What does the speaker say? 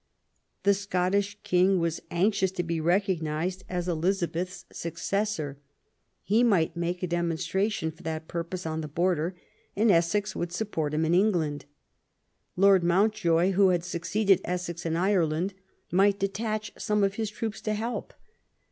The Scottish King was anxious to be recognised as Elizabeth's successor; LAST YEARS OF ELIZABETH. 291 he might make a demonstration for that purpose on the Border, and Essex would support him in England. Lord Mountjoy, who had succeeded Essex in Ireland, might detach some of his troops to help.